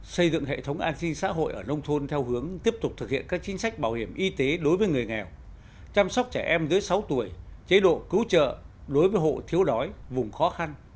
xây dựng hệ thống an sinh xã hội ở nông thôn theo hướng tiếp tục thực hiện các chính sách bảo hiểm y tế đối với người nghèo chăm sóc trẻ em dưới sáu tuổi chế độ cứu trợ đối với hộ thiếu đói vùng khó khăn